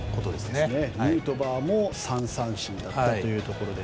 ヌートバーも３三振だったというところで。